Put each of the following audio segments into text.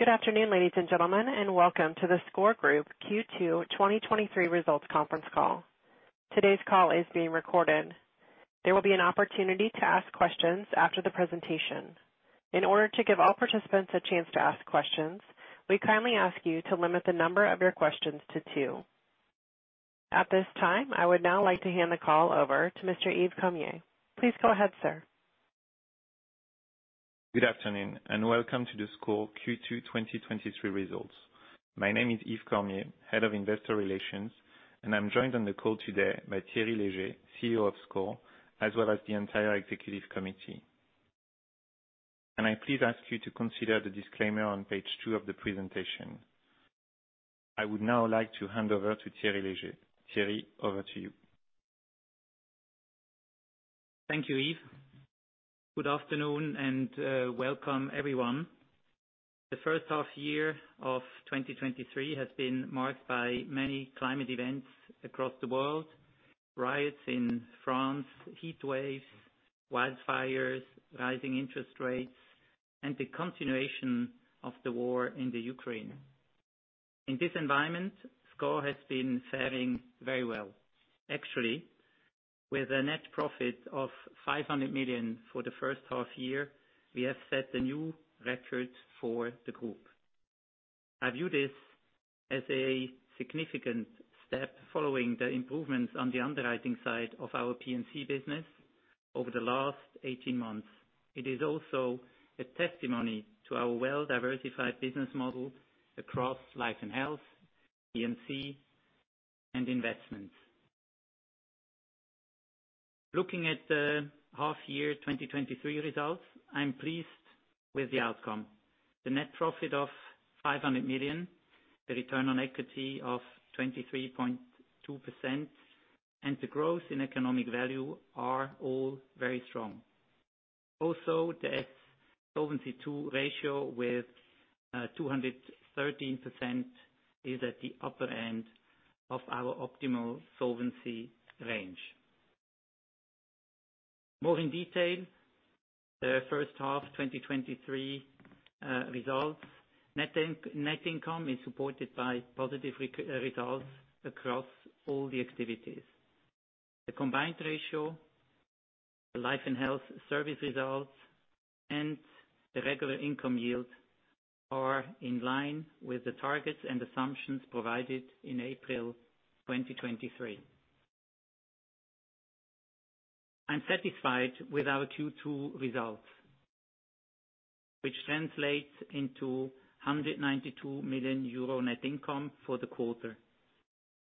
Good afternoon, ladies and gentlemen, and welcome to the SCOR Group Q2 2023 results conference call. Today's call is being recorded. There will be an opportunity to ask questions after the presentation. In order to give all participants a chance to ask questions, we kindly ask you to limit the number of your questions to two. At this time, I would now like to hand the call over to Mr. Yves Cormier. Please go ahead, sir. Good afternoon, and welcome to the SCOR Q2 2023 results. My name is Yves Cormier, Head of Investor Relations, and I'm joined on the call today by Thierry Léger, CEO of SCOR, as well as the entire executive committee. Can I please ask you to consider the disclaimer on page two of the presentation? I would now like to hand over to Thierry Léger. Thierry, over to you. Thank you, Yves. Good afternoon, and welcome everyone. The first half year of 2023 has been marked by many climate events across the world: riots in France, heatwaves, wildfires, rising interest rates, and the continuation of the war in the Ukraine. In this environment, SCOR has been faring very well. Actually, with a net profit of 500 million for the first half year, we have set a new record for the group. I view this as a significant step, following the improvements on the underwriting side of our P&C business over the last 18 months. It is also a testimony to our well-diversified business model across life and health, P&C, and investments. Looking at the half year 2023 results, I'm pleased with the outcome. The net profit of 500 million, the return on equity of 23.2%, and the growth in economic value are all very strong. The Solvency II ratio with 213% is at the upper end of our optimal solvency range. More in detail, the first half 2023 results, net income is supported by positive results across all the activities. The combined ratio, the life and health service results, and the regular income yield are in line with the targets and assumptions provided in April 2023. I'm satisfied with our Q2 results, which translates into 192 million euro net income for the quarter.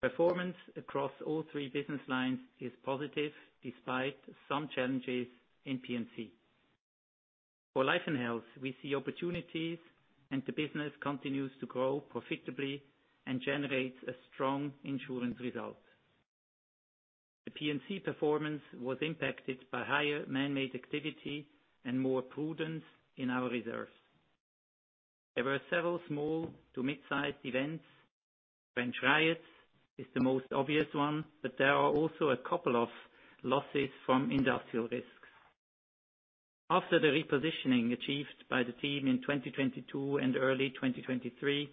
Performance across all three business lines is positive, despite some challenges in P&C. For life and health, we see opportunities, and the business continues to grow profitably and generates a strong insurance result. The P&C performance was impacted by higher man-made activity and more prudence in our reserves. There were several small to mid-sized events. French riots is the most obvious one, but there are also a couple of losses from industrial risks. After the repositioning achieved by the team in 2022 and early 2023,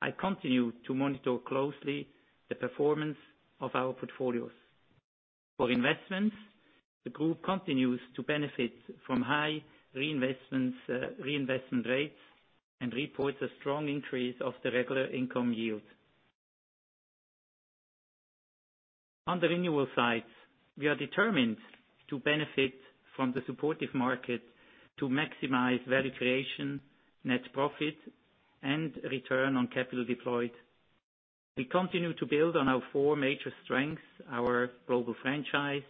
I continue to monitor closely the performance of our portfolios. For investments, the group continues to benefit from high reinvestment rates and reports a strong increase of the regular income yield. On the renewal side, we are determined to benefit from the supportive market to maximize value creation, net profit, and return on capital deployed. We continue to build on our four major strengths, our global franchise,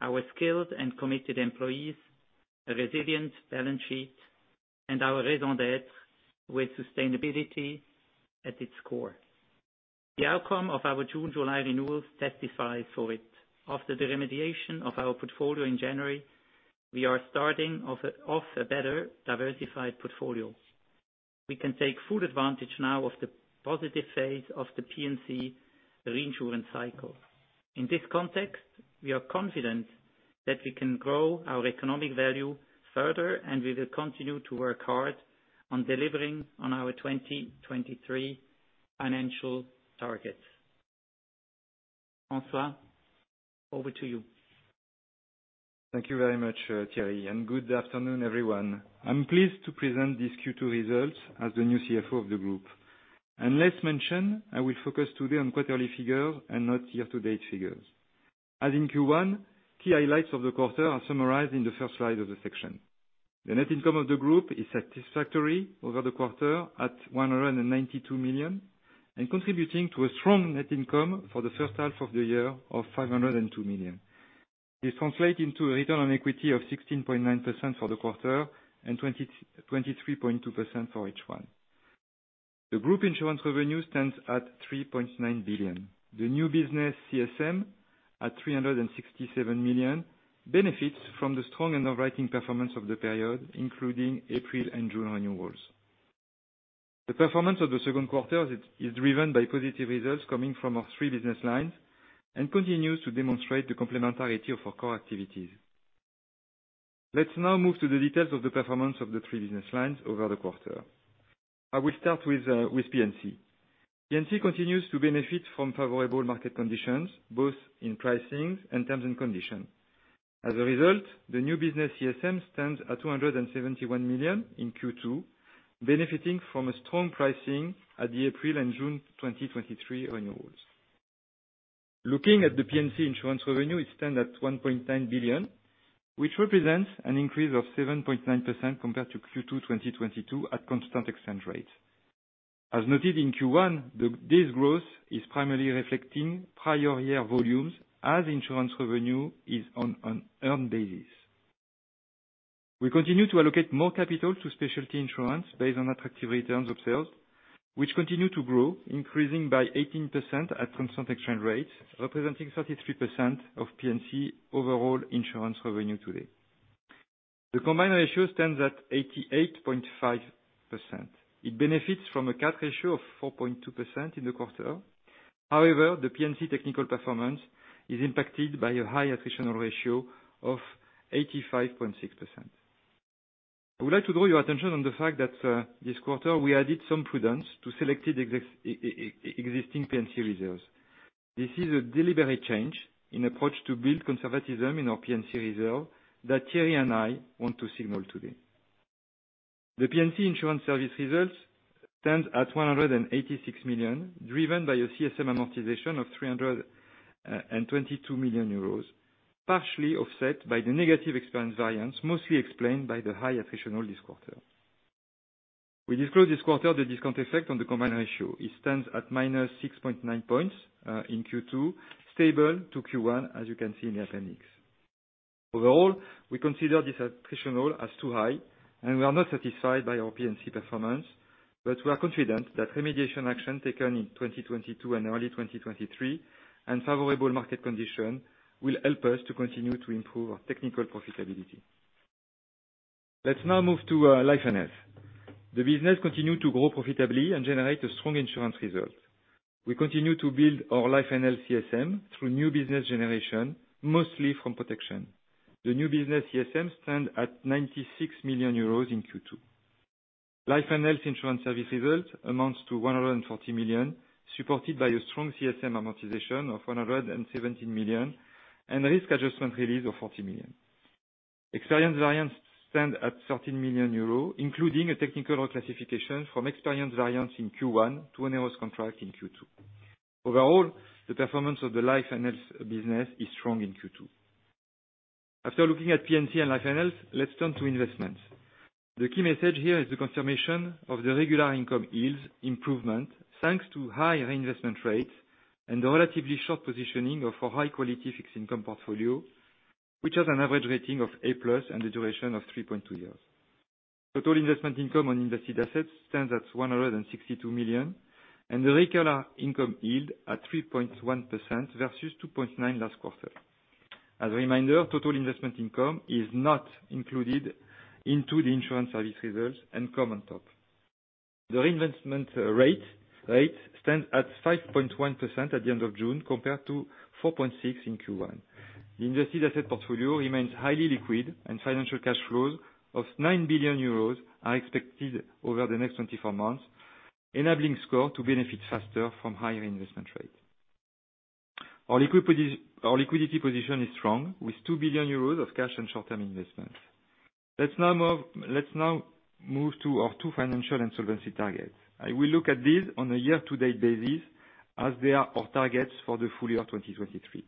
our skilled and committed employees, a resilient balance sheet, and our raison d'être with sustainability at its core. The outcome of our June, July renewals testifies for it. After the remediation of our portfolio in January, we are starting off a better diversified portfolio. We can take full advantage now of the positive phase of the P&C reinsurance cycle. In this context, we are confident that we can grow our economic value further, and we will continue to work hard on delivering on our 2023 financial targets. François, over to you. Thank you very much, Thierry, good afternoon, everyone. I'm pleased to present these Q2 results as the new CFO of the group. Let's mention, I will focus today on quarterly figures and not year-to-date figures. As in Q1, key highlights of the quarter are summarized in the first slide of the section. The net income of the group is satisfactory over the quarter at 192 million, and contributing to a strong net income for the first half of the year of 502 million. This translate into a return on equity of 16.9% for the quarter and 23.2% for H1. The group insurance revenue stands at 3.9 billion. The new business CSM at 367 million, benefits from the strong underwriting performance of the period, including April and June renewals. The performance of the second quarter is driven by positive results coming from our three business lines, and continues to demonstrate the complementarity of our core activities. Let's now move to the details of the performance of the three business lines over the quarter. I will start with P&C. P&C continues to benefit from favorable market conditions, both in pricing and terms and conditions. As a result, the new business CSM stands at 271 million in Q2, benefiting from a strong pricing at the April and June 2023 renewals. Looking at the P&C insurance revenue, it stand at 1.9 billion, which represents an increase of 7.9% compared to Q2 2022 at constant exchange rate. As noted in Q1, this growth is primarily reflecting prior year volumes, as insurance revenue is on an earned basis. We continue to allocate more capital to specialty insurance based on attractive Return on Sales, which continue to grow, increasing by 18% at constant exchange rate, representing 33% of P&C overall insurance revenue today. The combined ratio stands at 88.5%. It benefits from a cat ratio of 4.2% in the quarter. The P&C technical performance is impacted by a high attritional ratio of 85.6%. I would like to draw your attention on the fact that this quarter we added some prudence to selected existing P&C reserves. This is a deliberate change in approach to build conservatism in our P&C reserve that Thierry and I want to signal today. The P&C Insurance service results stand at 186 million, driven by a CSM amortization of 322 million euros, partially offset by the negative experience variance, mostly explained by the high attritional this quarter. We disclosed this quarter the discount effect on the combined ratio. It stands at -6.9 points in Q2, stable to Q1, as you can see in the appendix. Overall, we consider this attritional as too high, and we are not satisfied by our P&C performance, but we are confident that remediation action taken in 2022 and early 2023, and favorable market condition, will help us to continue to improve our technical profitability. Let's now move to Life and Health. The business continue to grow profitably and generate a strong insurance result. We continue to build our Life and Health CSM through new business generation, mostly from protection. The new business CSM stand at 96 million euros in Q2. Life and Health insurance service result amounts to 140 million, supported by a strong CSM amortization of 117 million, and risk adjustment release of 40 million. Experience variance stand at 13 million euros, including a technical reclassification from experience variance in Q1 to an onerous contract in Q2. Overall, the performance of the Life and Health business is strong in Q2. After looking at P&C and Life and Health, let's turn to investments. The key message here is the confirmation of the regular income yields improvement, thanks to high reinvestment rates and the relatively short positioning of a high quality fixed income portfolio, which has an average rating of A+ and a duration of 3.2 years. Total investment income on invested assets stands at 162 million, and the regular income yield at 3.1% versus 2.9% last quarter. As a reminder, total investment income is not included into the insurance service result and come on top. The reinvestment rate stands at 5.1% at the end of June, compared to 4.6% in Q1. The invested asset portfolio remains highly liquid, financial cash flows of 9 billion euros are expected over the next 24 months, enabling SCOR to benefit faster from higher investment rate. Our liquidity position is strong, with 2 billion euros of cash and short-term investments. Let's now move to our two financial and solvency targets. I will look at this on a year-to-date basis, as they are our targets for the full year of 2023.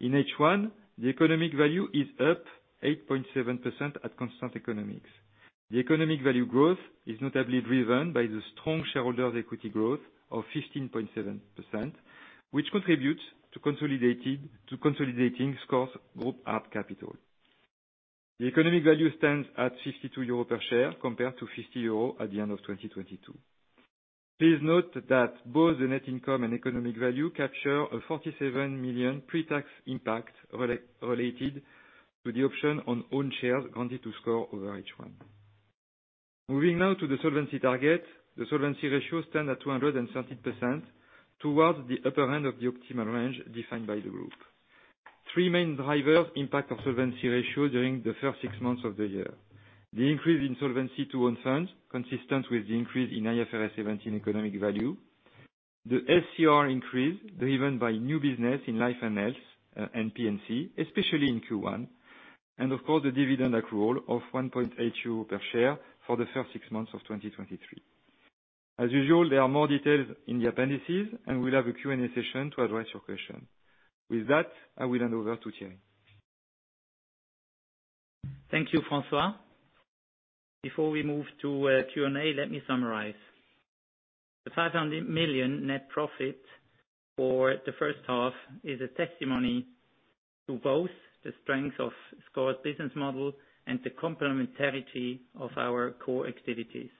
In H1, the economic value is up 8.7% at constant economics. The economic value growth is notably driven by the strong shareholder equity growth of 15.7%, which contributes to consolidating SCOR's group at capital. The economic value stands at 52 euro per share, compared to 50 euro at the end of 2022. Please note that both the net income and economic value capture a 47 million pre-tax impact related to the option on own shares granted to SCOR over H1. Moving now to the solvency target. The solvency ratio stand at 213%, towards the upper end of the optimal range defined by the group. Three main drivers impact our solvency ratio during the first six months of the year. The increase in solvency to own funds, consistent with the increase in IFRS event in economic value, the SCR increase driven by new business in Life and Health, and PNC, especially in Q1, and of course, the dividend accrual of 1.8 euro per share for the first six months of 2023. As usual, there are more details in the appendices, and we'll have a Q&A session to address your question. With that, I will hand over to Thierry. Thank you, François. Before we move to Q&A, let me summarize. The 500 million net profit for the first half is a testimony to both the strength of SCOR's business model and the complementarity of our core activities.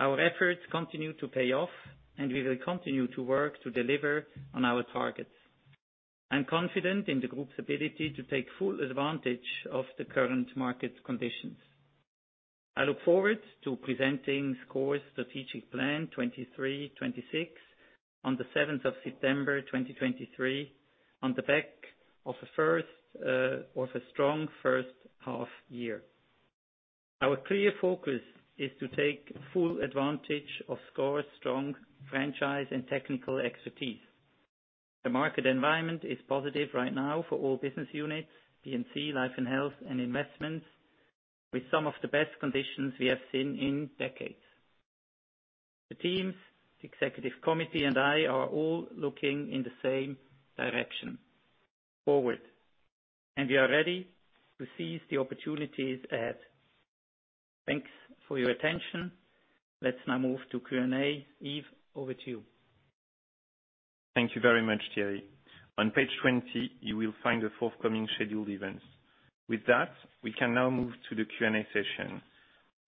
Our efforts continue to pay off, and we will continue to work to deliver on our targets. I'm confident in the group's ability to take full advantage of the current market conditions. I look forward to presenting SCOR's strategic plan 2023-2026 on September 7, 2023, on the back of a strong first half year. Our clear focus is to take full advantage of SCOR's strong franchise and technical expertise. The market environment is positive right now for all business units, P&C, life and health, and investments, with some of the best conditions we have seen in decades. The teams, executive committee, and I are all looking in the same direction, forward, and we are ready to seize the opportunities ahead. Thanks for your attention. Let's now move to Q&A. Yves, over to you. Thank you very much, Thierry. On page 20, you will find the forthcoming scheduled events. With that, we can now move to the Q&A session.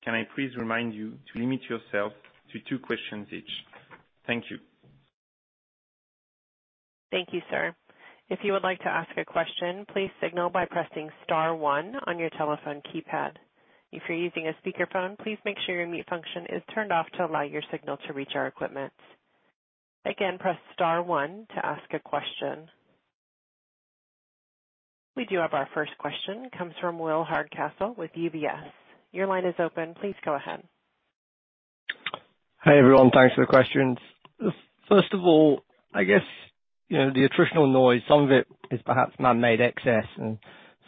Can I please remind you to limit yourself to two questions each? Thank you. Thank you, sir. If you would like to ask a question, please signal by pressing star one on your telephone keypad. If you're using a speakerphone, please make sure your mute function is turned off to allow your signal to reach our equipment. Again, press star one to ask a question. We do have our first question, comes from William Hardcastle with UBS. Your line is open. Please go ahead. Hi, everyone. Thanks for the questions. First of all, I guess, you know, the attritional noise, some of it is perhaps man-made excess, and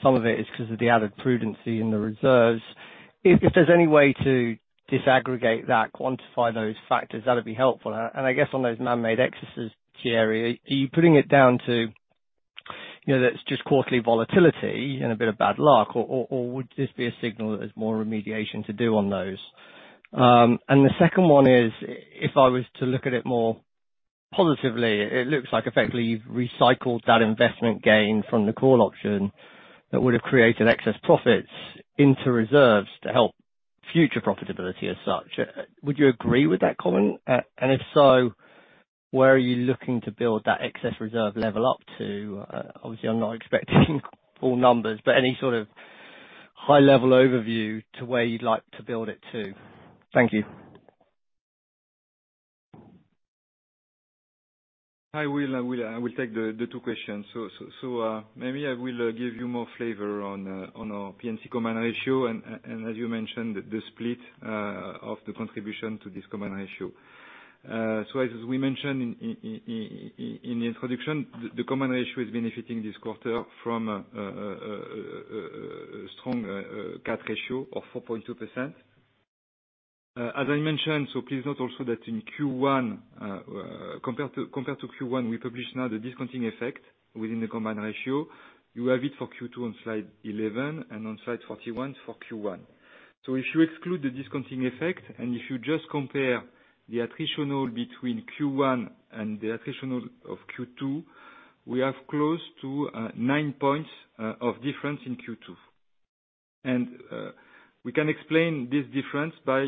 some of it is because of the added prudency in the reserves. If there's any way to disaggregate that, quantify those factors, that'd be helpful. I guess on those man-made excesses, Thierry, are you putting it down to, you know, that it's just quarterly volatility and a bit of bad luck, or would this be a signal that there's more remediation to do on those? The second one is, if I was to look at it more positively, it looks like effectively you've recycled that investment gain from the call option that would've created excess profits into reserves to help future profitability as such. Would you agree with that comment? If so, where are you looking to build that excess reserve level up to? Obviously I'm not expecting full numbers, but any sort of high-level overview to where you'd like to build it to. Thank you. I will take the two questions. Maybe I will give you more flavor on our P&C combined ratio, and as you mentioned, the split of the contribution to this combined ratio. As we mentioned in the introduction, the combined ratio is benefiting this quarter from a strong CAT ratio of 4.2%. As I mentioned, please note also that in Q1, compared to Q1, we publish now the discount effect within the combined ratio. You have it for Q2 on slide 11, and on slide 41 for Q1. If you exclude the discounting effect, and if you just compare the attritional between Q1 and the attritional of Q2, we have close to nine points of difference in Q2. We can explain this difference by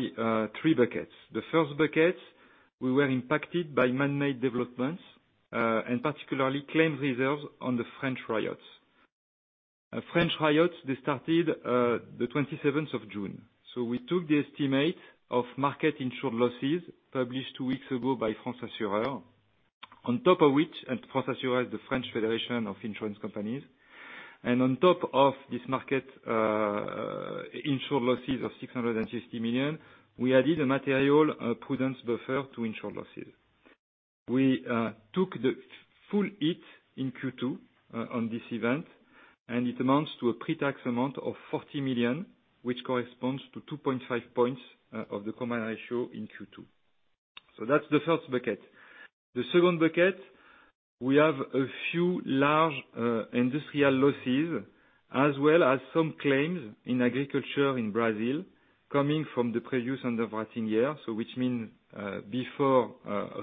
three buckets. The first bucket, we were impacted by man-made developments, and particularly claim reserves on the French riots. French riots, they started the 27th of June. We took the estimate of market insured losses published two weeks ago by France Assureurs, on top of which, and France Assureurs, the French Federation of Insurance Companies, and on top of this market, insured losses of 660 million, we added a material prudence buffer to insured losses. We took the full hit in Q2 on this event. It amounts to a pre-tax amount of 40 million, which corresponds to 2.5 points of the combined ratio in Q2. That's the first bucket. The second bucket, we have a few large industrial losses, as well as some claims in agriculture in Brazil, coming from the previous underwriting year, which means before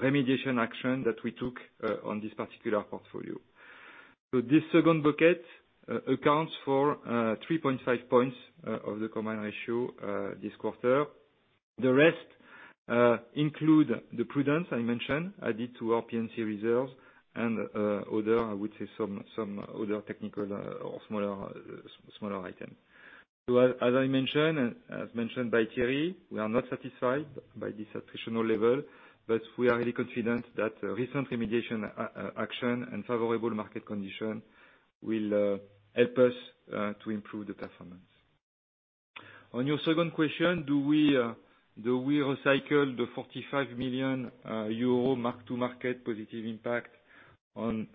remediation action that we took on this particular portfolio. This second bucket accounts for 3.5 points of the combined ratio this quarter. The rest include the prudence I mentioned, added to our P&C reserves and other, I would say some other technical, or smaller item. As I mentioned, and as mentioned by Thierry, we are not satisfied by this attritional level, we are really confident that recent remediation action and favorable market condition will help us to improve the performance. On your second question, do we recycle the 45 million euro mark to market positive impact on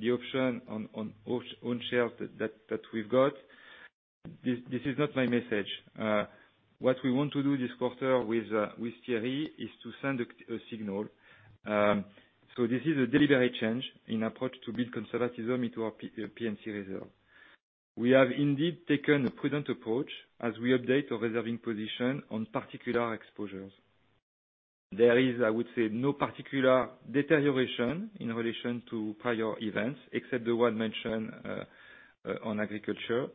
the option on shares that we've got? This is not my message. What we want to do this quarter with Thierry, is to send a signal. This is a deliberate change in approach to build conservatism into our P&C reserve. We have indeed taken a prudent approach as we update our reserving position on particular exposures. There is, I would say, no particular deterioration in relation to prior events, except the one mentioned on agriculture.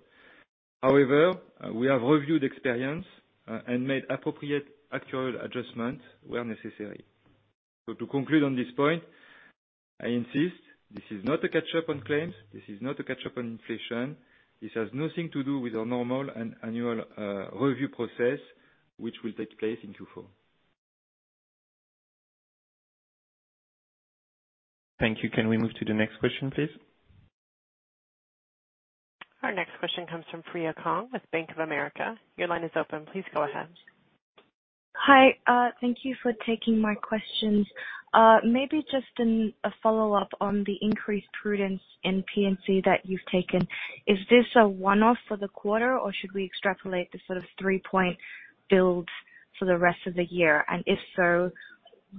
However, we have reviewed experience and made appropriate actual adjustments where necessary. To conclude on this point, I insist this is not a catch up on claims, this is not a catch up on inflation, this has nothing to do with our normal and annual review process, which will take place in Q4. Thank you. Can we move to the next question, please? Our next question comes from Freya Kong with Bank of America. Your line is open. Please go ahead. Hi, thank you for taking my questions. Maybe just a follow-up on the increased prudence in P&C that you've taken. Is this a one-off for the quarter, or should we extrapolate this sort of 3-point build for the rest of the year? If so,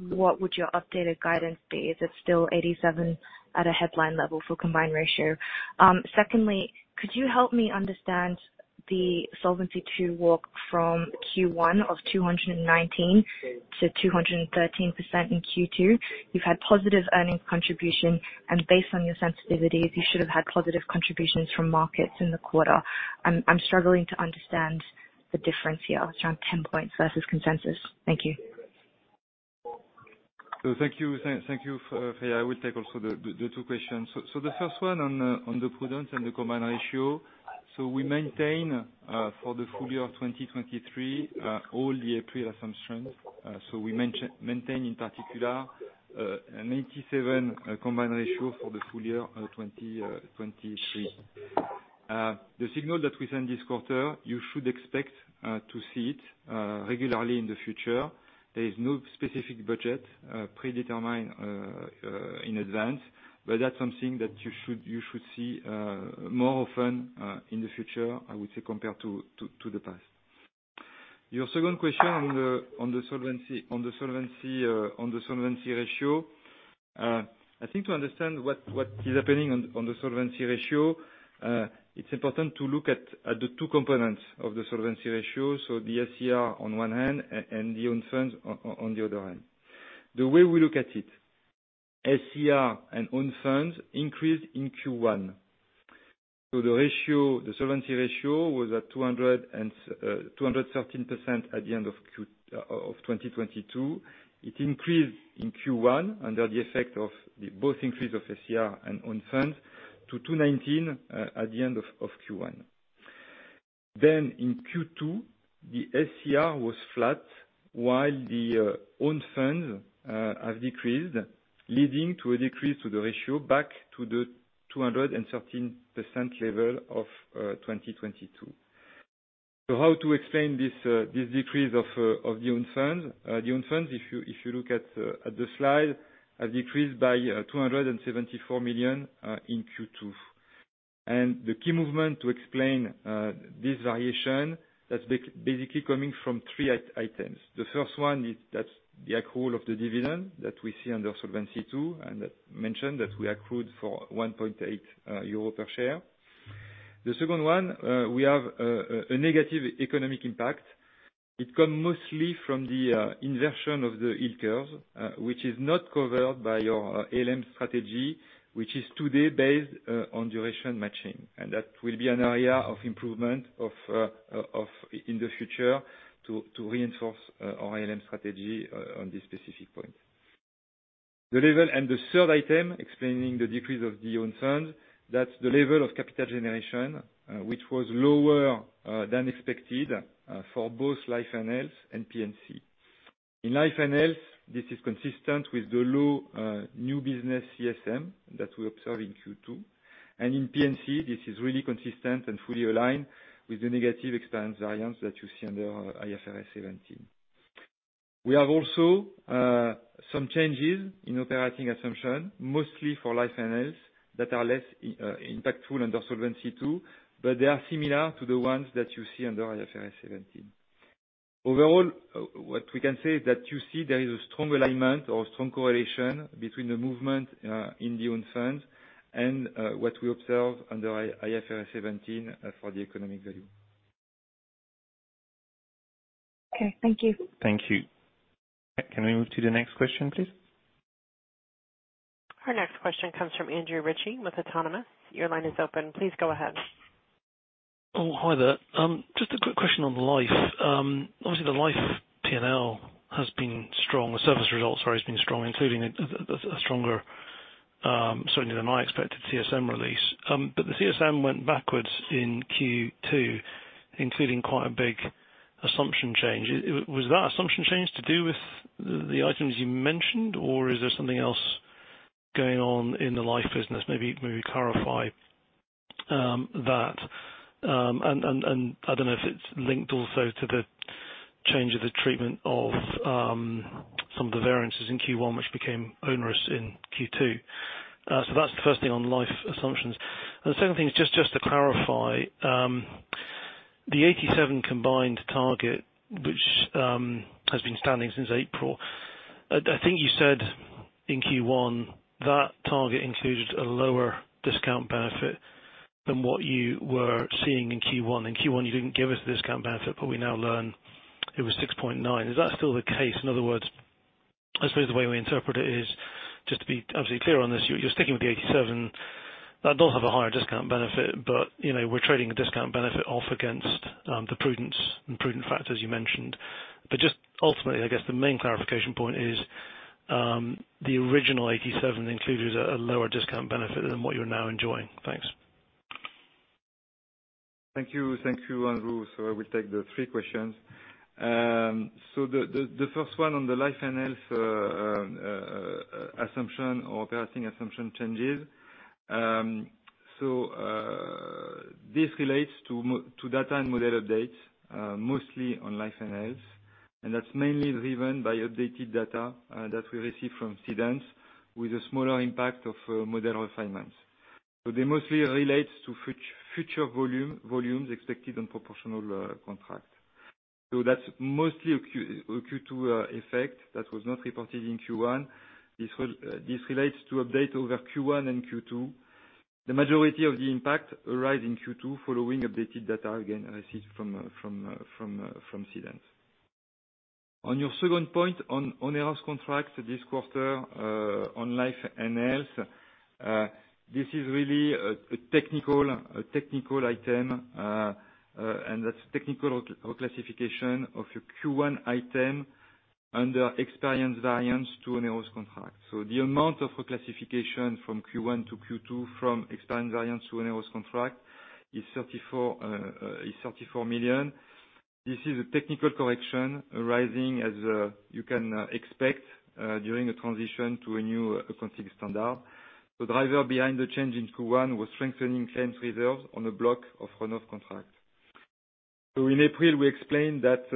what would your updated guidance be? Is it still 87 at a headline level for combined ratio? Secondly, could you help me understand the Solvency II walk from Q1 of 219%-213% in Q2? You've had positive earnings contribution, based on your sensitivities, you should have had positive contributions from markets in the quarter. I'm struggling to understand the difference here. It's around 10 points versus consensus. Thank you. Thank you. Thank you for, yeah, I will take also the two questions. The first one on the prudence and the combined ratio. We maintain for the full year of 2023, all the April assumptions. We maintain in particular an 87% combined ratio for the full year, 2023. The signal that we send this quarter, you should expect to see it regularly in the future. There is no specific budget predetermined in advance, but that's something that you should see more often in the future, I would say, compared to the past. Your second question on the solvency, on the solvency ratio. I think to understand what is happening on the solvency ratio, it's important to look at the two components of the solvency ratio. The SCR on one hand, and the own funds on the other hand. The way we look at it, SCR and own funds increased in Q1. The ratio, the solvency ratio, was at 213% at the end of 2022. It increased in Q1, under the effect of the both increase of SCR and own funds to 219 at the end of Q1. In Q2, the SCR was flat, while the own funds have decreased, leading to a decrease to the ratio back to the 213% level of 2022. How to explain this decrease of the own funds? The own funds, if you look at the slide, has decreased by 274 million in Q2. The key movement to explain this variation, that's basically coming from three items. The first one is, that's the accrual of the dividend that we see under Solvency II, and that mentioned that we accrued for 1.8 euro per share. The second one, we have a negative economic impact. It come mostly from the inversion of the yield curve, which is not covered by our ALM strategy, which is today based on duration matching. That will be an area of improvement in the future to reinforce our ALM strategy on this specific point. The level and the third item explaining the decrease of the own fund, that's the level of capital generation, which was lower than expected for both Life & Health and P&C. In Life & Health, this is consistent with the low new business CSM that we observe in Q2. In P&C, this is really consistent and fully aligned with the negative experience variance that you see under IFRS 17. We have also some changes in operating assumption, mostly for Life & Health, that are less impactful under Solvency II, but they are similar to the ones that you see under IFRS 17. Overall, what we can say is that you see there is a strong alignment or strong correlation between the movement, in the own funds and, what we observe under IFRS 17, for the economic value. Okay. Thank you. Thank you. Can we move to the next question, please? Our next question comes from Andrew Ritchie with Autonomous. Your line is open. Please go ahead. Hi there. Just a quick question on Life. Obviously the Life P&L has been strong. The insurance service result, sorry, has been strong, including a stronger, certainly than I expected, CSM release. The CSM went backwards in Q2, including quite a big assumption change. Was that assumption change to do with the items you mentioned, or is there something else going on in the Life business? Maybe clarify that. I don't know if it's linked also to the change of the treatment of some of the variances in Q1, which became onerous in Q2. That's the first thing on Life assumptions. The second thing is just to clarify, the 87 combined target, which has been standing since April, I think you said in Q1, that target included a lower discount benefit than what you were seeing in Q1. In Q1, you didn't give us the discount benefit, but we now learn it was 6.9. Is that still the case? In other words, I suppose the way we interpret it is, just to be absolutely clear on this, you're sticking with the 87. That does have a higher discount benefit, but, you know, we're trading a discount benefit off against the prudence and prudent factors you mentioned. Just ultimately, I guess the main clarification point is, the original 87 included a lower discount benefit than what you're now enjoying. Thanks. Thank you. Thank you, Andrew. I will take the three questions. The first one on the life and health assumption or pricing assumption changes. This relates to data and model updates, mostly on life and health, and that's mainly driven by updated data that we receive from cedents, with a smaller impact of model refinements. They mostly relates to future volumes expected on proportional contract. That's mostly a Q2 effect that was not reported in Q1. This relates to update over Q1 and Q2. The majority of the impact arrive in Q2 following updated data, again, received from cedents. On your second point, on onerous contracts this quarter, on Life and Health, this is really a technical item. That's technical reclassification of a Q1 item under experience variance to an onerous contract. The amount of reclassification from Q1 to Q2 from experience variance to an onerous contract is 34 million. This is a technical correction arising as you can expect during a transition to a new accounting standard. The driver behind the change in Q1 was strengthening claims reserves on a block of runoff contract. In April, we explained that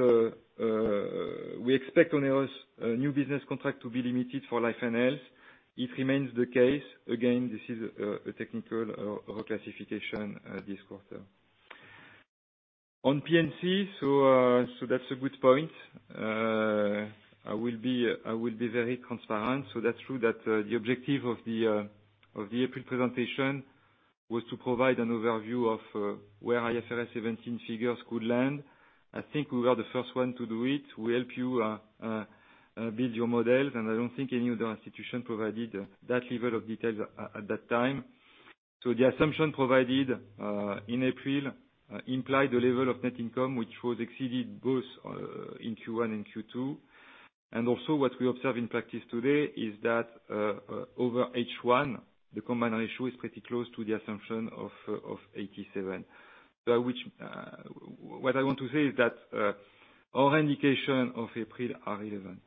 we expect on onerous new business contract to be limited for Life and Health. It remains the case. Again, this is a technical reclassification this quarter. On PNC, that's a good point. I will be very transparent. That's true that the objective of the April presentation was to provide an overview of where IFRS web figures could land. I think we were the first one to do it. We help you build your models, and I don't think any other institution provided that level of details at that time. The assumption provided in April implied the level of net income, which was exceeded both in Q1 and Q2. Also, what we observe in practice today is that over H1, the combined ratio is pretty close to the assumption of 87. Which, what I want to say is that our indication of April are relevant.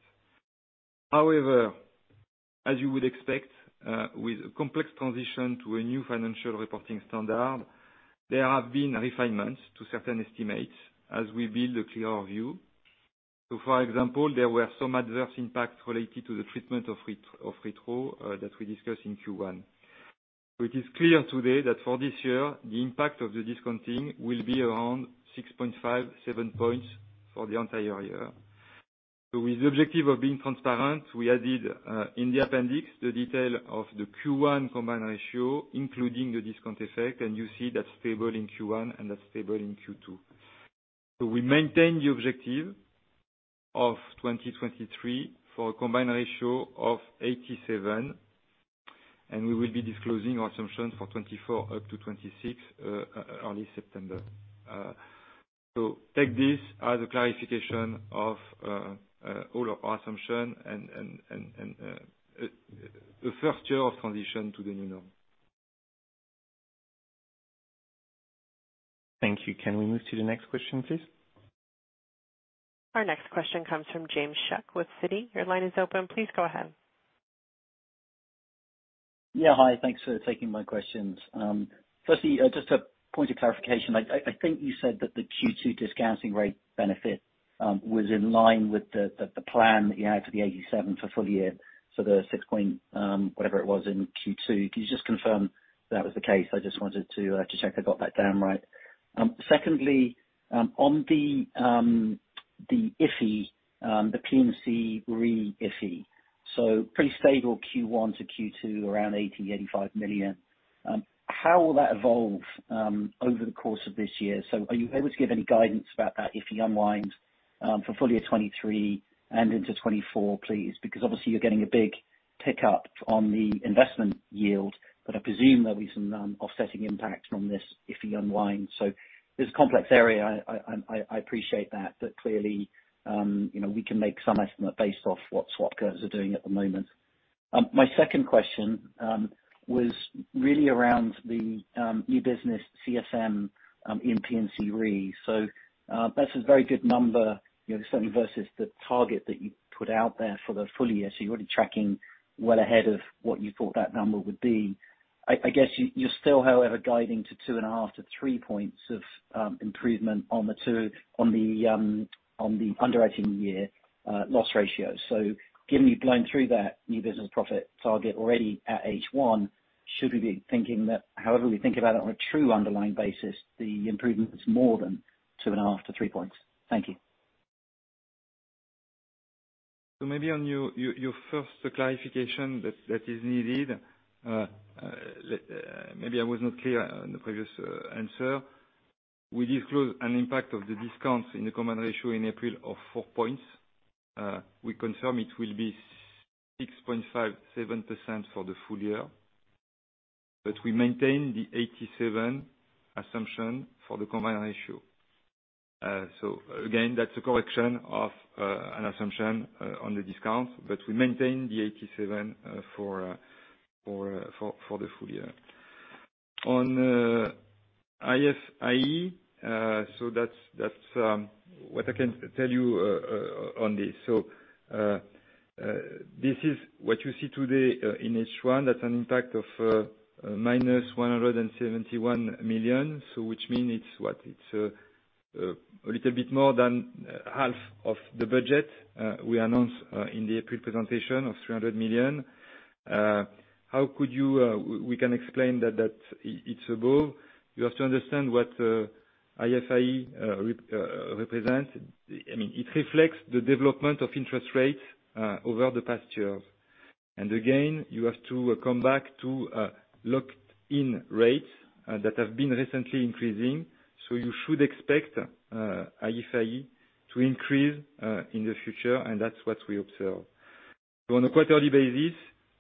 However, as you would expect, with a complex transition to a new financial reporting standard, there have been refinements to certain estimates as we build a clearer view. For example, there were some adverse impacts related to the treatment of retro that we discussed in Q1. It is clear today that for this year, the impact of the discounting will be around 6.5, seven points for the entire year. With the objective of being transparent, we added in the appendix, the detail of the Q1 combined ratio, including the discount effect, and you see that's stable in Q1, and that's stable in Q2. We maintain the objective of 2023 for a combined ratio of 87, and we will be disclosing assumptions for 2024 up to 2026 early September. Take this as a clarification of all our assumption and the first year of transition to the new norm. Thank you. Can we move to the next question, please? Our next question comes from James Shuck with Citigroup. Your line is open. Please go ahead. Hi, thanks for taking my questions. Firstly, just a point of clarification. I think you said that the Q2 discounting rate benefit was in line with the plan that you had for the 87 for full year, so the 6 point whatever it was in Q2. Can you just confirm that was the case? I just wanted to check I got that down right. Secondly, on the IFIE, the PNC re IFIE, so pretty stable Q1 to Q2, around 80 million-85 million. How will that evolve over the course of this year? Are you able to give any guidance about that IFIE unwind for full year 2023 and into 2024, please? Obviously you're getting a big pickup on the investment yield, but I presume there'll be some offsetting impact from this IFIE unwind. It's a complex area. I appreciate that, but clearly, you know, we can make some estimate based off what swap curves are doing at the moment. My second question was really around the new business CSM in P&C Re. That's a very good number, you know, certainly versus the target that you put out there for the full year. You're already tracking well ahead of what you thought that number would be. I guess you're still, however, guiding to 2.5-3 points of improvement on the underwriting year loss ratio. Given you've blown through that new business profit target already at H1, should we be thinking that however we think about it on a true underlying basis, the improvement is more than 2.5-3 points? Thank you. Maybe on your first clarification that is needed, maybe I was not clear on the previous answer. We disclose an impact of the discounts in the combined ratio in April of four points. We confirm it will be 6.57% for the full year, but we maintain the 87 assumption for the combined ratio. Again, that's a correction of an assumption on the discount, but we maintain the 87 for the full year. IFIE, that's what I can tell you on this. This is what you see today in H1, that's an impact of minus 171 million, which mean it's what? It's a little bit more than half of the budget we announced in the April presentation of 300 million. How could you, we can explain that it's above? You have to understand what IFIE represents. I mean, it reflects the development of interest rates over the past years. Again, you have to come back to locked in rates that have been recently increasing, so you should expect IFIE to increase in the future, and that's what we observe. On a quarterly basis,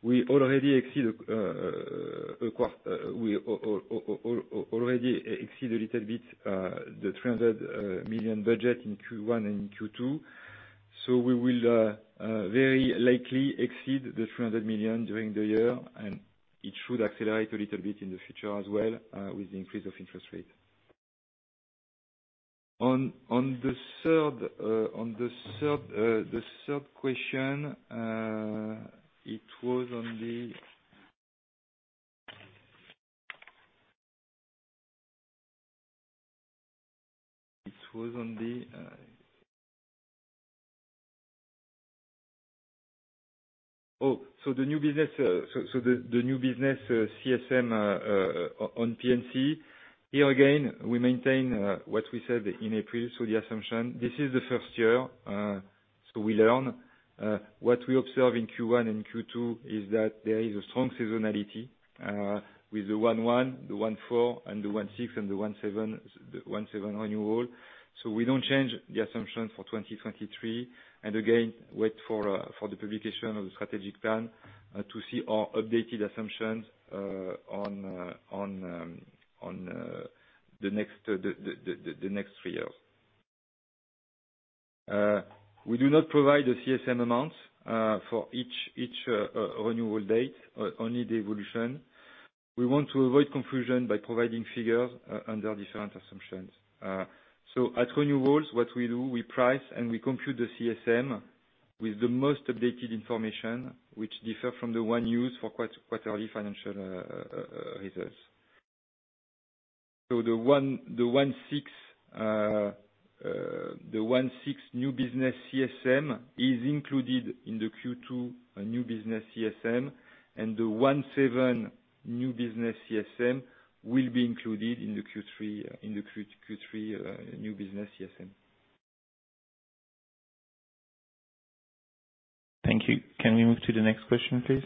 we already exceed EUR 300 million budget in Q1 and Q2. We will very likely exceed 300 million during the year, and it should accelerate in the future as well with the increase of interest rate. On the third question, the new business CSM on PNC, here again, we maintain what we said in April. The assumption, this is the first year, we learn. What we observe in Q1 and Q2 is that there is a strong seasonality with the 1/1, the 1/4, and the 1/6, and the 1/7 annual. We don't change the assumption for 2023, and again, wait for the publication of the strategic plan to see our updated assumptions on the next three years. We do not provide the CSM amounts for each annual date, only the evolution. We want to avoid confusion by providing figures under different assumptions. At renewals, what we do, we price and we compute the CSM with the most updated information, which differ from the one used for quite early financial results. The 1.6 new business CSM is included in the Q2 new business CSM. The 1.7 new business CSM will be included in the Q3 new business CSM. Thank you. Can we move to the next question, please?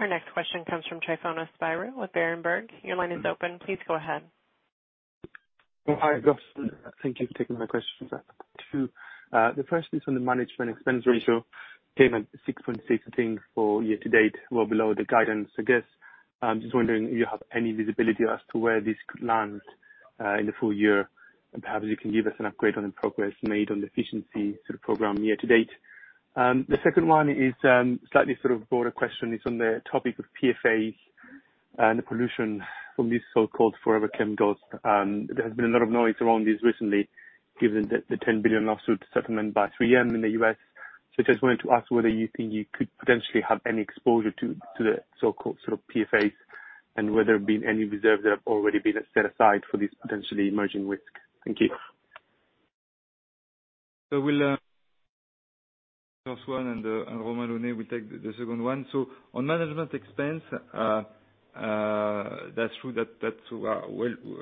Our next question comes from Michael Huttner with Berenberg. Your line is open, please go ahead. Hi, guys. Thank you for taking my question. Two, the first is on the management expense ratio, came at 6.6, I think, for year to date, well below the guidance. I guess, I'm just wondering if you have any visibility as to where this could land in the full year, and perhaps you can give us an upgrade on the progress made on the efficiency sort of program year to date. The second one is slightly sort of broader question. It's on the topic of PFAS and the pollution from these so-called forever chemicals. There has been a lot of noise around this recently, given the $10 billion lawsuit settlement by 3M Company in the U.S. I just wanted to ask whether you think you could potentially have any exposure to the so-called sort of PFAS, and whether there been any reserves that have already been set aside for this potentially emerging risk? Thank you. We'll first one, and Jean-Paul Conoscente will take the second one. On management expense, that's true, that's, well,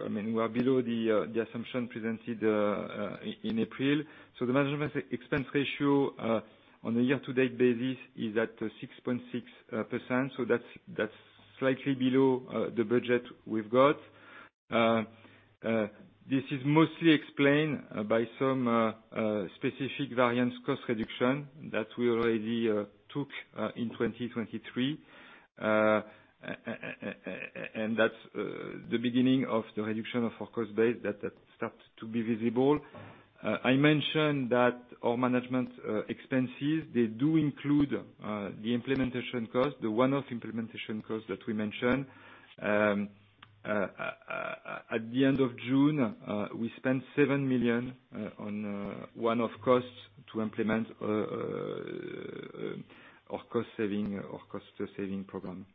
I mean, we are below the assumption presented in April. The management expense ratio on a year-to-date basis is at 6.6%, so that's slightly below the budget we've got. This is mostly explained by some specific variance cost reduction that we already took in 2023. That's the beginning of the reduction of our cost base that starts to be visible. I mentioned that our management expenses, they do include the implementation cost, the one-off implementation cost that we mentioned. At the end of June, we spent 7 million on one-off costs to implement our cost-saving program.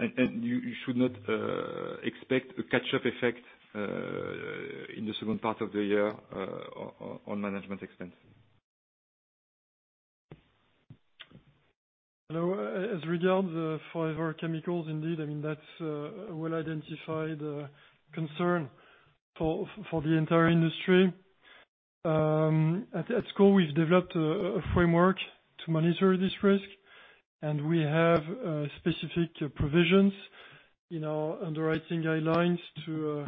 You should not expect a catch-up effect in the second part of the year on management expense. Hello. As regards the forever chemicals, indeed, I mean, that's a well-identified concern for the entire industry. at SCOR, we've developed a framework to monitor this risk, and we have specific provisions in our underwriting guidelines to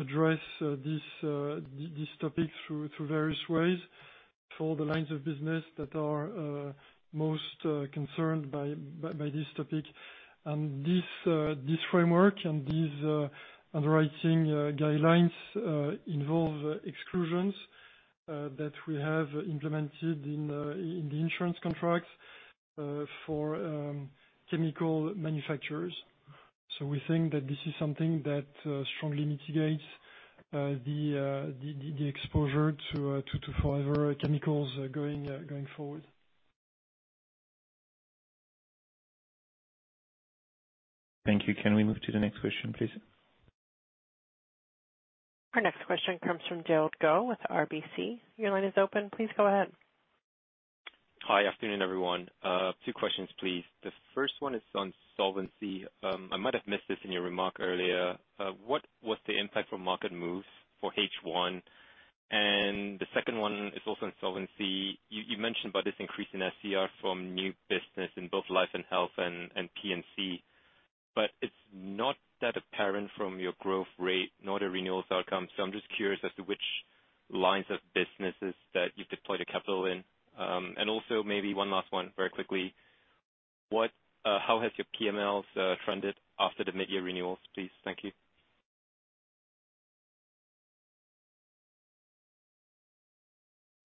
address this topic through various ways for the lines of business that are most concerned by this topic. This framework and these underwriting guidelines involve exclusions that we have implemented in the insurance contracts for chemical manufacturers. We think that this is something that strongly mitigates the exposure to forever chemicals going forward. Thank you. Can we move to the next question, please? Our next question comes from Gerald Go with RBC. Your line is open. Please go ahead. Hi, afternoon, everyone. Two questions, please. The first one is on solvency. I might have missed this in your remark earlier. What was the impact from market moves for H1? The second one is also on solvency. You mentioned about this increase in SCR from new business in both life and health and P&C, but it's not that apparent from your growth rate, nor the renewals outcome. I'm just curious as to which lines of businesses that you've deployed the capital in. Also maybe one last one, very quickly. How has your PMLs trended after the mid-year renewals, please? Thank you.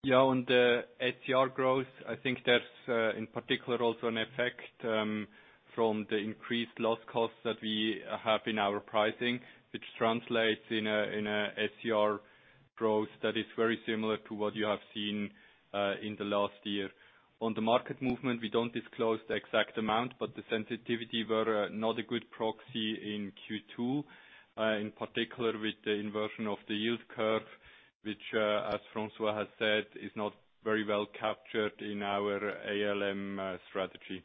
Yeah, on the SCR growth, I think there's, in particular, also an effect, from the increased loss costs that we have in our pricing, which translates in a SCR growth that is very similar to what you have seen, in the last year. On the market movement, we don't disclose the exact amount, but the sensitivity were not a good proxy in Q2, in particular, with the inversion of the yield curve, which, as François has said, is not very well captured in our ALM, strategy.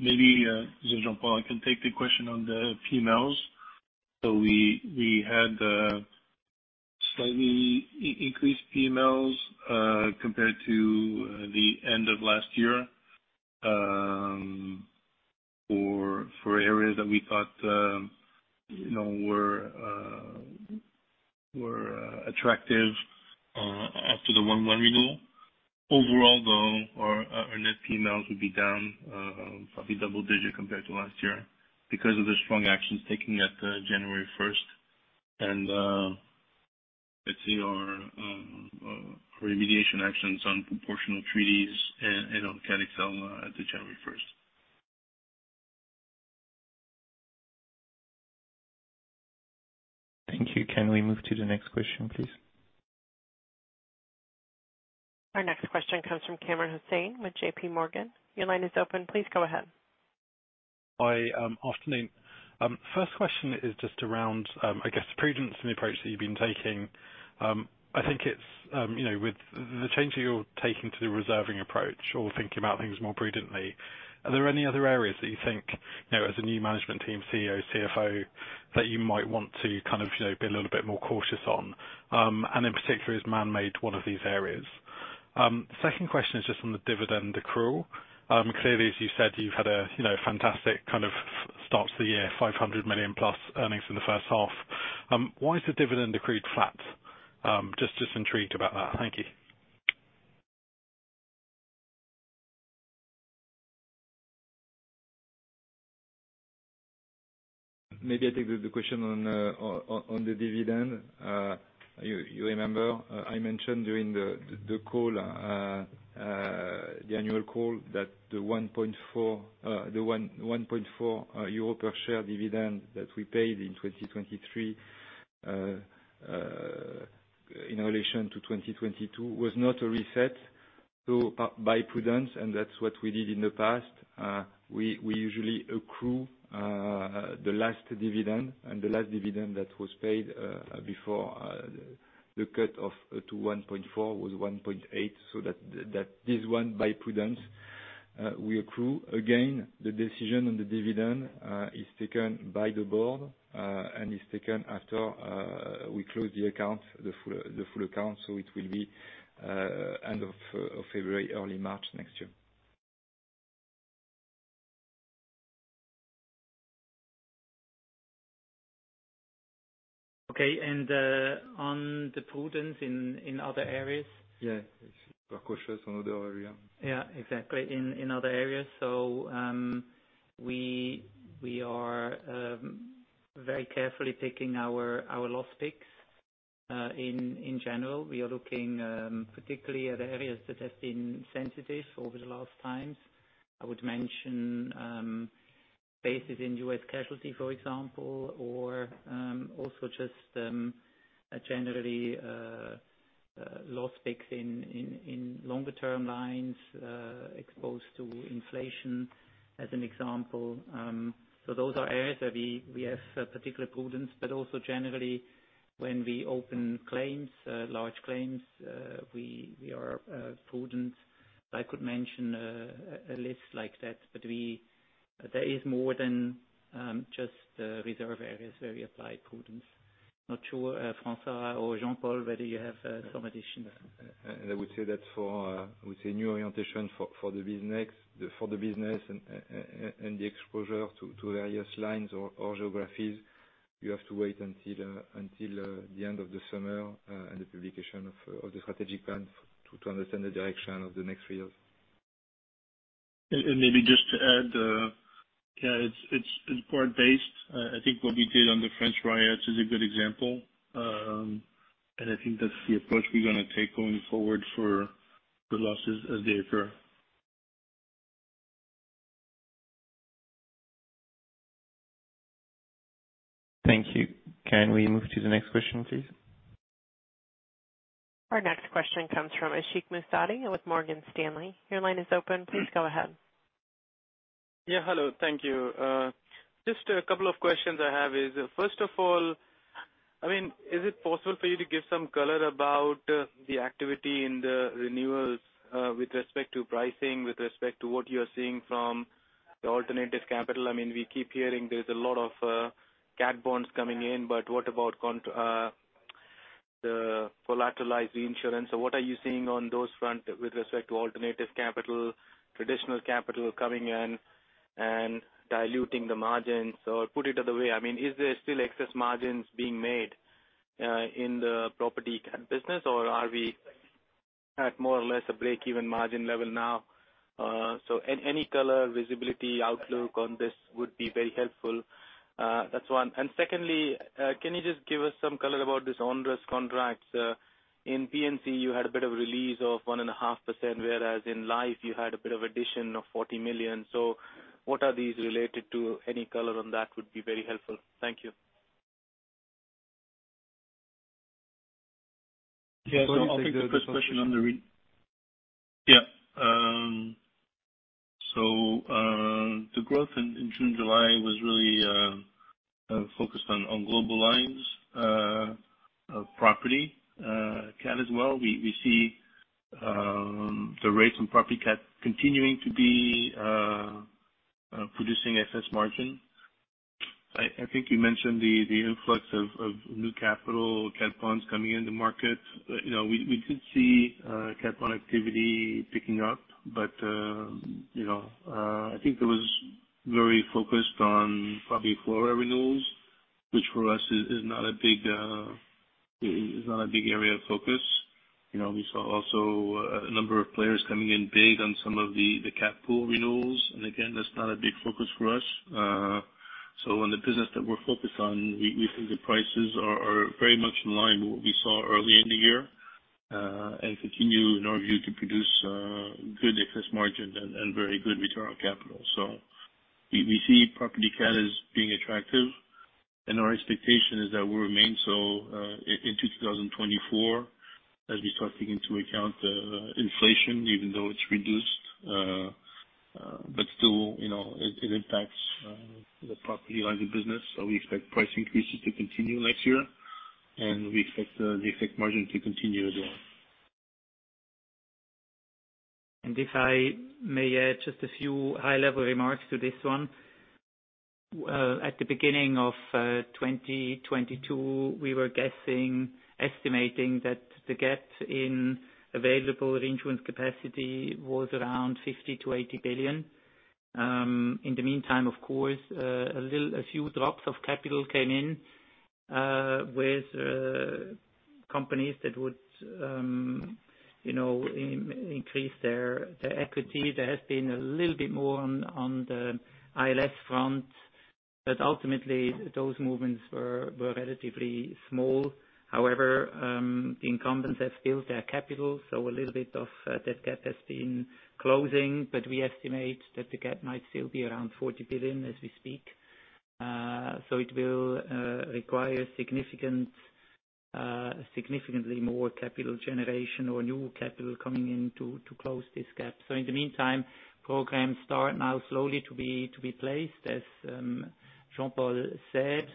Maybe Jean-Paul can take the question on the PMLs. We had slightly increased PMLs compared to the end of last year for areas that we thought, you know, were attractive after the 1/1 renewal. Overall, though, our net PMLs would be down probably double-digit compared to last year because of the strong actions taken at January 1 and let's say our remediation actions on proportional treaties and on Cat XL at the January 1. Thank you. Can we move to the next question, please? Our next question comes from Kamran Hossain with JPMorgan. Your line is open. Please go ahead. Hi, afternoon. First question is just around, I guess, prudence and the approach that you've been taking. I think it's, you know, with the change that you're taking to the reserving approach or thinking about things more prudently, are there any other areas that you think, you know, as a new management team, CEO, CFO, that you might want to kind of, you know, be a little bit more cautious on? In particular, is man-made one of these areas? Second question is just on the dividend accrual. Clearly, as you said, you've had a, you know, fantastic kind of start to the year, 500 million plus earnings in the first half. Why is the dividend accrued flat? Just intrigued about that. Thank you. Maybe I take the question on the dividend. You remember, I mentioned during the call, the annual call, that the 1.4 EUR per share dividend that we paid in 2023, in relation to 2022, was not a reset. By prudence, and that's what we did in the past, we usually accrue the last dividend, and the last dividend that was paid before the cut of to 1.4, was 1.8. This one, by prudence, we accrue. Again, the decision on the dividend is taken by the board, and is taken after we close the full account, so it will be end of February, early March next year. Okay. On the prudence in other areas? Yeah. Cautious on other area. Yeah, exactly. In, in other areas. We are very carefully taking our loss picks. In general, we are looking particularly at the areas that have been sensitive over the last times. I would mention spaces in U.S. casualty, for example, or also just generally loss picks in longer term lines exposed to inflation.... as an example. Those are areas that we have particular prudence, but also generally, when we open claims, large claims, we are prudent. I could mention a list like that, but there is more than just reserve areas where we apply prudence. Not sure François or Jean-Paul, whether you have some additional? I would say that for, I would say new orientation for the business and the exposure to various lines or geographies, you have to wait until the end of the summer and the publication of the strategic plan to understand the direction of the next three years. Maybe just to add, yeah, it's part based. I think what we did on the French riots is a good example. I think that's the approach we're gonna take going forward for the losses as they occur. Thank you. Can we move to the next question, please? Our next question comes from Ashik Musaddi with Morgan Stanley. Your line is open, please go ahead. Hello, thank you. Just a couple of questions I have is, first of all, I mean, is it possible for you to give some color about the activity in the renewals with respect to pricing, with respect to what you're seeing from the alternative capital? I mean, we keep hearing there's a lot of cat bonds coming in, but what about the collateralized reinsurance? What are you seeing on those front with respect to alternative capital, traditional capital coming in and diluting the margins? Or put it other way, I mean, is there still excess margins being made in the property cat business, or are we at more or less a break-even margin level now? Any, any color, visibility, outlook on this would be very helpful. That's one. Secondly, can you just give us some color about this onerous contracts? In P&C, you had a bit of release of 1.5%, whereas in Life, you had a bit of addition of 40 million. What are these related to? Any color on that would be very helpful. Thank you. I'll take the first question on the. The growth in June, July was really focused on global lines of property cat as well. We see the rates on property cat continuing to be producing excess margin. I think you mentioned the influx of new capital, cat funds coming in the market. You know, we did see cat bond activity picking up, you know, I think it was very focused on property Florida renewals, which for us is not a big area of focus. You know, we saw also a number of players coming in big on some of the cat pool renewals, that's not a big focus for us. On the business that we're focused on, we think the prices are very much in line with what we saw early in the year. Continue, in our view, to produce good excess margin and very good return on capital. We see property cat as being attractive. Our expectation is that will remain so in 2024, as we start taking into account the inflation, even though it's reduced. Still, you know, it impacts the property line of business. We expect price increases to continue next year. We expect the effect margin to continue as well. If I may add just a few high-level remarks to this one. At the beginning of 2022, we were guessing, estimating that the gap in available reinsurance capacity was around 50 billion-80 billion. In the meantime, of course, a little, a few drops of capital came in with companies that would, you know, increase their equity. There has been a little bit more on the ILS front, but ultimately, those movements were relatively small. However, the incumbents have built their capital, so a little bit of that gap has been closing, but we estimate that the gap might still be around 40 billion as we speak. It will require significant, significantly more capital generation or new capital coming in to close this gap. In the meantime, programs start now slowly to be placed, as Jean-Paul said,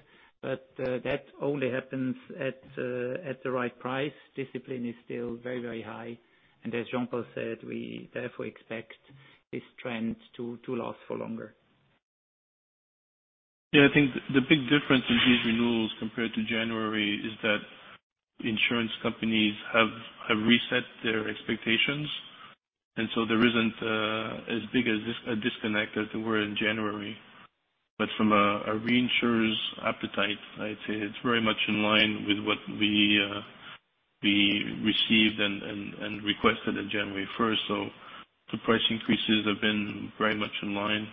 but that only happens at the right price. Discipline is still very high, and as Jean-Paul said, we therefore expect this trend to last for longer. Yeah, I think the big difference in these renewals compared to January is that insurance companies have reset their expectations, and there isn't as big a disconnect as there were in January. From a reinsurer's appetite, I'd say it's very much in line with what we received and requested on January first. The price increases have been very much in line.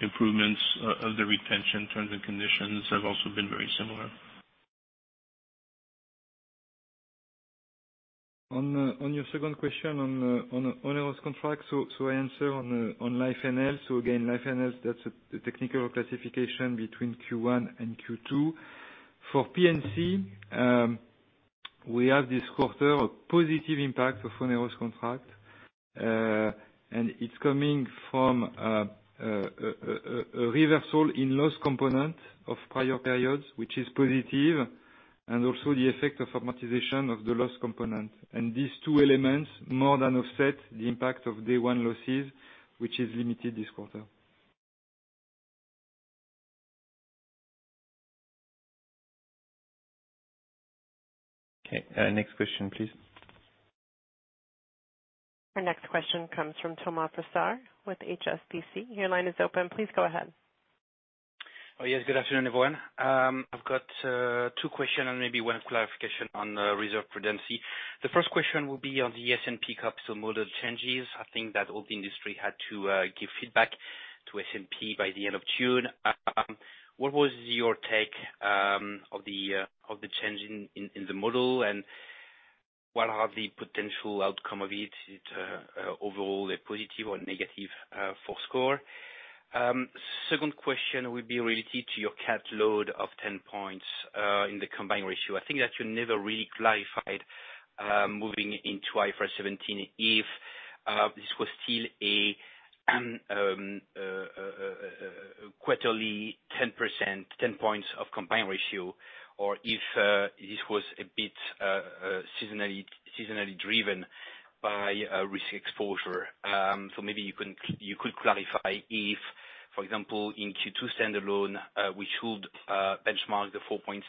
Improvements of the retention terms and conditions have also been very similar. On your second question, on onerous contracts, so I answer on life and health. Again, life and health, that's a technical classification between Q1 and Q2. For PNC, we have this quarter a positive impact of one-year contract, and it's coming from a reversal in loss component of prior periods, which is positive, and also the effect of amortization of the loss component. These two elements more than offset the impact of day one losses, which is limited this quarter. Okay, next question, please. Our next question comes from Thomas Huszar with HSBC. Your line is open. Please go ahead. Oh, yes. Good afternoon, everyone. I've got two questions and maybe one clarification on reserve prudency. The first question will be on the S&P capital model changes. I think that all the industry had to give feedback to S&P by the end of June. What was your take of the change in the model, and what are the potential outcome of it overall, a positive or negative for SCOR? Second question would be related to your cat load of 10 points in the combined ratio. I think that you never really clarified moving into IFRS 17 if this was still a quarterly 10%, 10 points of combined ratio, or if this was a bit seasonally driven by risk exposure. Maybe you could clarify if, for example, in Q2 standalone, we should benchmark the 4.6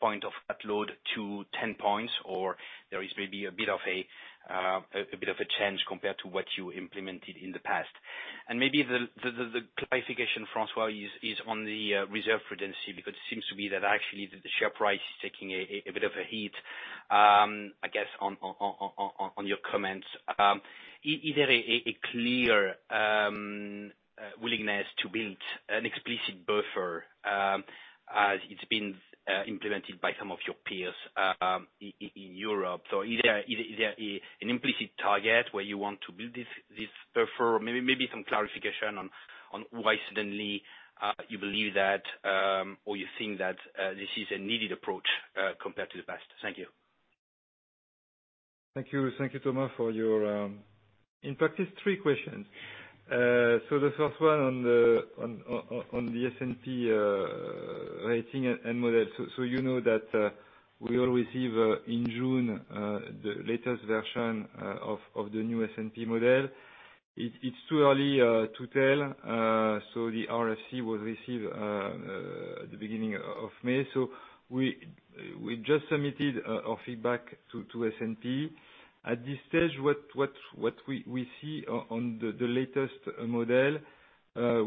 point of upload to 10 points, or there is maybe a bit of a change compared to what you implemented in the past. Maybe the clarification, François, is on the reserve prudency, because it seems to me that actually the share price is taking a bit of a hit, I guess, on your comments. Is there a clear willingness to build an explicit buffer, as it's been implemented by some of your peers, in Europe? Is there an implicit target where you want to build this buffer? Maybe some clarification on why suddenly, you believe that, or you think that, this is a needed approach, compared to the past. Thank you. Thank you. Thank you, Thomas, for your in practice, three questions. The first one on the S&P rating and model. You know that we all receive in June the latest version of the new S&P model. It's too early to tell, the RFC was received at the beginning of May. We just submitted our feedback to S&P. At this stage, what we see on the latest model,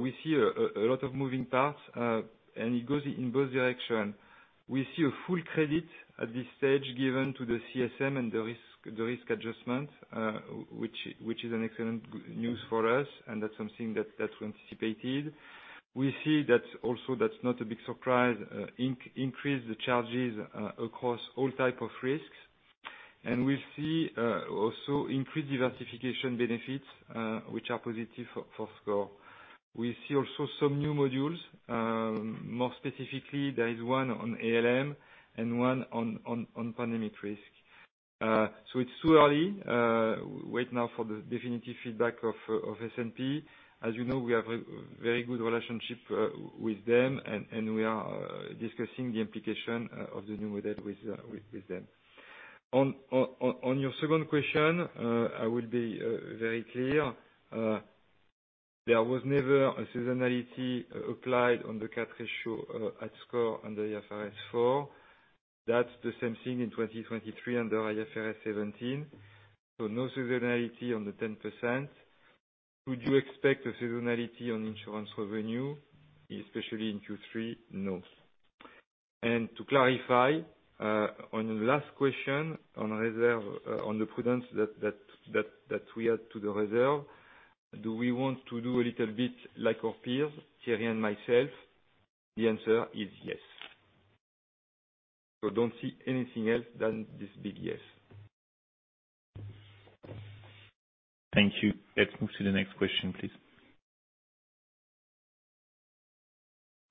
we see a lot of moving parts, it goes in both direction. We see a full credit at this stage given to the CSM and the risk adjustment, which is an excellent news for us, that's something that we anticipated. We see that also, that's not a big surprise, increase the charges across all type of risks. We see also increased diversification benefits, which are positive for SCOR. We see also some new modules. More specifically, there is one on ALM and one on pandemic risk. It's too early, wait now for the definitive feedback of S&P. As you know, we have a very good relationship with them, and we are discussing the implication of the new model with them. On your second question, I will be very clear. There was never a seasonality applied on the cat ratio at SCOR on the IFRS 4. That's the same thing in 2023 under IFRS 17. No seasonality on the 10%. Would you expect a seasonality on insurance revenue, especially in Q3? No. To clarify, on the last question on reserve, on the prudence that we add to the reserve, do we want to do a little bit like our peers, Thierry and myself? The answer is yes. Don't see anything else than this big yes. Thank you. Let's move to the next question, please.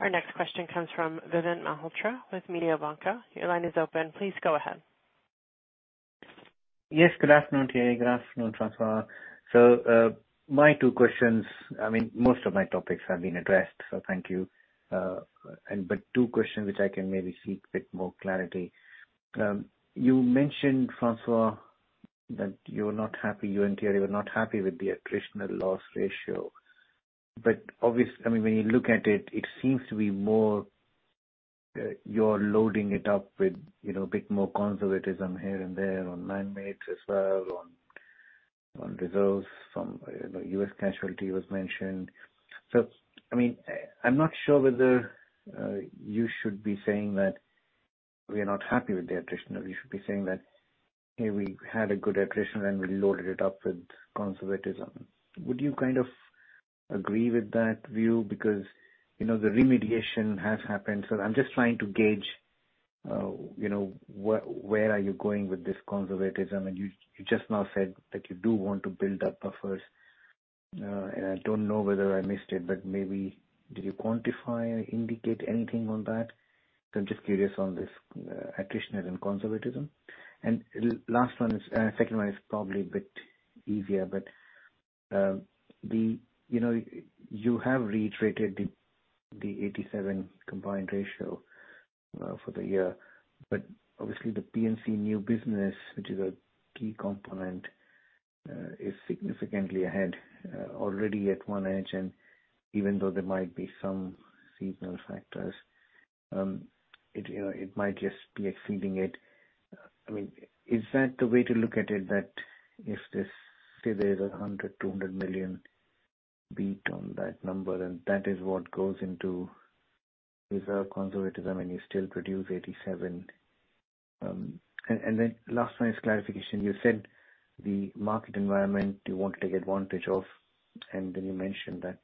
Our next question comes from Vinit Malhotra with Mediobanca. Your line is open. Please go ahead. Yes, good afternoon, Thierry. Good afternoon, François. My two questions, I mean, most of my topics have been addressed, so thank you. Two questions which I can maybe seek a bit more clarity. You mentioned, François, that you're not happy, you and Thierry were not happy with the attritional loss ratio. Obviously, I mean, when you look at it seems to be more, you're loading it up with, you know, a bit more conservatism here and there on man-made as well, on reserves from, you know, U.S. Casualty was mentioned. I mean, I'm not sure whether you should be saying that we are not happy with the attrition, or you should be saying that, "Hey, we had a good attrition, and we loaded it up with conservatism." Would you kind of agree with that view? Because, you know, the remediation has happened. I'm just trying to gauge, you know, where are you going with this conservatism? You just now said that you do want to build up buffers. I don't know whether I missed it, but maybe did you quantify or indicate anything on that? I'm just curious on this attrition and conservatism. Last one is, second one is probably a bit easier, but, you know, you have reiterated the 87 combined ratio for the year, but obviously the PNC new business, which is a key component, is significantly ahead, already at one edge. Even though there might be some seasonal factors, you know, it might just be exceeding it. I mean, is that the way to look at it, that if this, say, there's 100 million-200 million beat on that number, and that is what goes into reserve conservatism, and you still produce 87? And then last one is clarification. You said the market environment you want to take advantage of, and then you mentioned that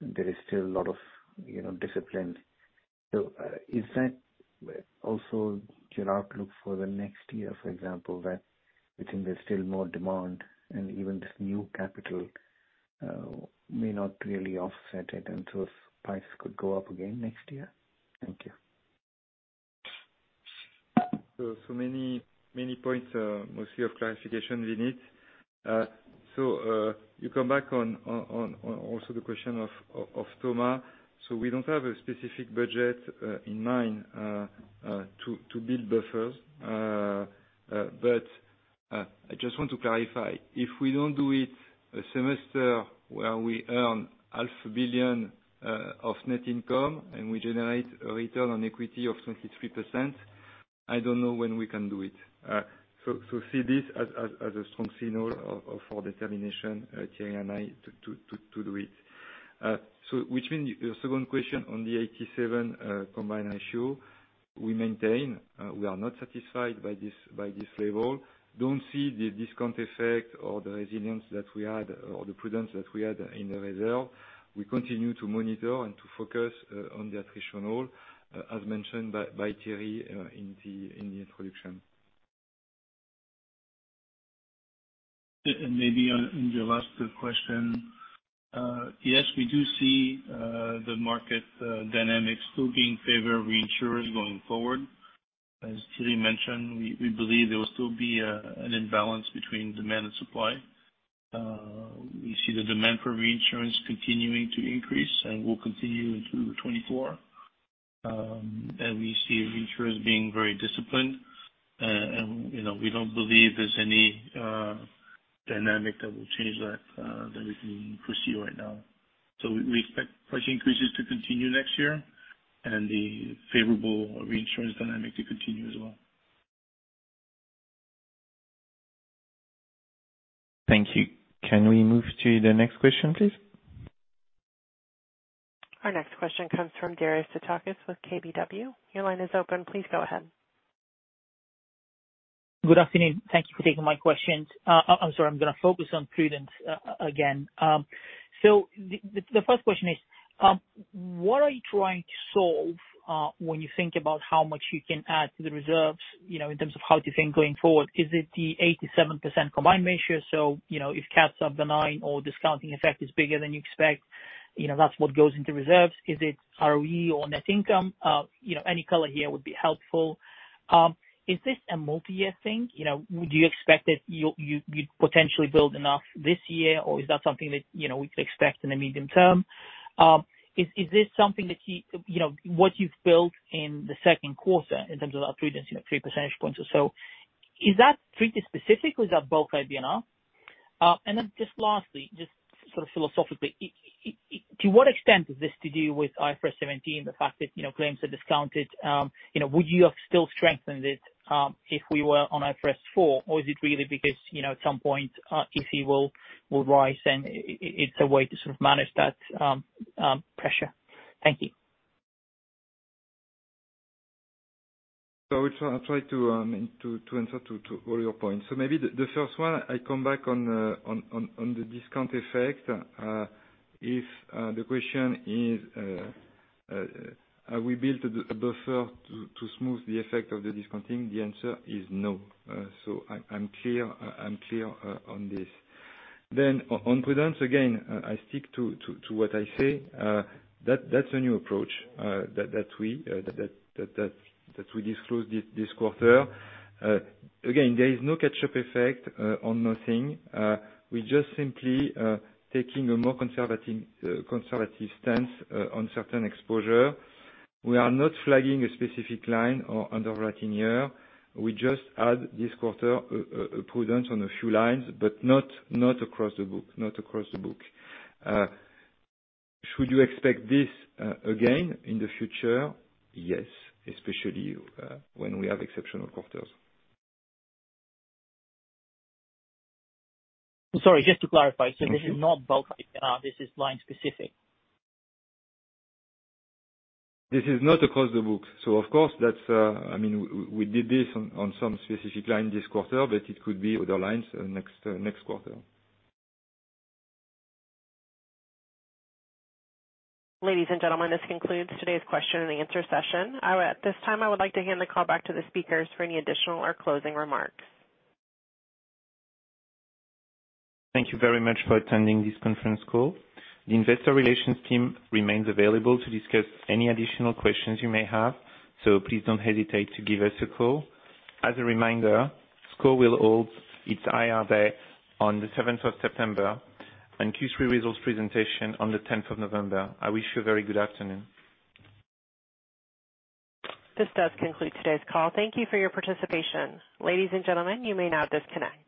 there is still a lot of, you know, discipline. Is that also your outlook for the next year, for example, that we think there's still more demand and even this new capital may not really offset it, prices could go up again next year? Thank you. Many, many points, mostly of clarification, Vineet. You come back on also the question of Toma. We don't have a specific budget in mind to build buffers. I just want to clarify, if we don't do it a semester where we earn EUR half a billion of net income, and we generate a return on equity of 23%, I don't know when we can do it. See this as a strong signal of determination, Thierry Léger and I, to do it. Which means your second question on the 87 combined ratio, we maintain, we are not satisfied by this level. Don't see the discount effect or the resilience that we had, or the prudence that we had in the reserve. We continue to monitor and to focus, on the attrition role, as mentioned by Thierry Léger, in the introduction. Maybe on, in your last question, yes, we do see the market dynamics still being in favor of reinsurers going forward. As Terry mentioned, we believe there will still be an imbalance between demand and supply. We see the demand for reinsurance continuing to increase and will continue into 2024. We see reinsurers being very disciplined, and, you know, we don't believe there's any dynamic that will change that we can foresee right now. We expect price increases to continue next year and the favorable reinsurance dynamic to continue as well. Thank you. Can we move to the next question, please? Our next question comes from Daria Sitkova with KBW. Your line is open. Please go ahead. Good afternoon. Thank you for taking my questions. I'm sorry. I'm gonna focus on prudence again. The first question is, what are you trying to solve when you think about how much you can add to the reserves, you know, in terms of how to think going forward? Is it the 87% combined ratio? If cats are benign or discounting effect is bigger than you expect, you know, that's what goes into reserves. Is it ROE or net income? You know, any color here would be helpful. Is this a multi-year thing? You know, would you expect that you'll, you'd potentially build enough this year, or is that something that, you know, we could expect in the medium term? Is, is this something that you know, what you've built in the second quarter in terms of our prudence, you know, 3 percentage points or so, is that treated specific or is that both IBNR? Just lastly, just sort of philosophically, to what extent is this to do with IFRS 17, the fact that, you know, claims are discounted? You know, would you have still strengthened it, if we were on IFRS 4, or is it really because, you know, at some point, EC will rise, and it's a way to sort of manage that pressure? Thank you. I try, I'll try to answer to all your points. Maybe the first one, I come back on the discount effect. If the question is, are we built a buffer to smooth the effect of the discounting? The answer is no. I'm clear, I'm clear on this. On prudence, again, I stick to what I say. That's a new approach that we disclose this quarter. Again, there is no catch-up effect on nothing. We're just simply taking a more conservative stance on certain exposure. We are not flagging a specific line or underwriting year. We just add this quarter, a prudence on a few lines, but not across the book, not across the book. Should you expect this again in the future? Yes, especially when we have exceptional quarters. Sorry, just to clarify. Thank you. This is not both IBNR, this is line-specific? This is not across the book. Of course, that's... I mean, we did this on some specific line this quarter, but it could be other lines next quarter. Ladies and gentlemen, this concludes today's question and answer session. At this time, I would like to hand the call back to the speakers for any additional or closing remarks. Thank you very much for attending this conference call. The investor relations team remains available to discuss any additional questions you may have, please don't hesitate to give us a call. As a reminder, SCOR will hold its IR day on the seventh of September, and Q3 results presentation on the 10th of November. I wish you a very good afternoon. This does conclude today's call. Thank you for your participation. Ladies and gentlemen, you may now disconnect.